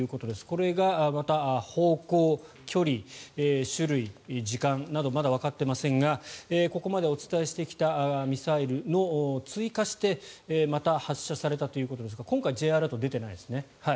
これがまた方向、距離、種類、時間などまだわかっていませんがここまでお伝えしてきたミサイル追加してまた発射されたということですが今回、Ｊアラートは出てないですね。